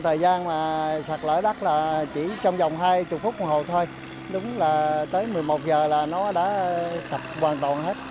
thời gian mà sạt lở đất là chỉ trong vòng hai mươi phút một hồi thôi đúng là tới một mươi một giờ là nó đã sập hoàn toàn hết